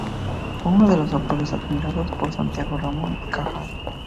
Fue uno de los autores admirados por Santiago Ramón y Cajal.